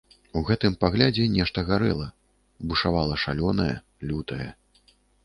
У гэтым паглядзе нешта гарэла, бушавала шалёнае, лютае.